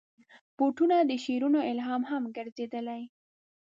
بوټونه د شعرونو الهام هم ګرځېدلي.